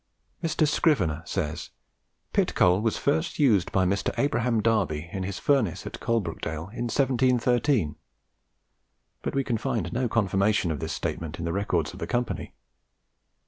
Mr. Scrivenor says, "pit coal was first used by Mr. Abraham Darby, in his furnace at Coalbrookdale, in 1713;" but we can find no confirmation of this statement in the records of the Company.